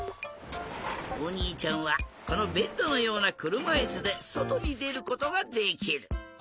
おにいちゃんはこのベッドのようなくるまいすでそとにでることができる！